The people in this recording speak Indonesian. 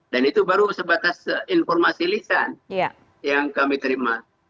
dan itu baru sebatas informasi lisan yang kami terima